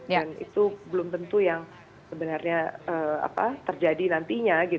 dan itu belum tentu yang sebenarnya terjadi nantinya